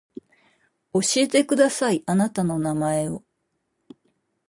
教えてくださいあなたの名前を